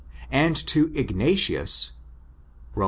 and to Ignatius (Rom.